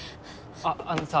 あっあのさ。